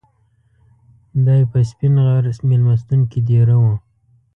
دای په سپین غر میلمستون کې دېره و.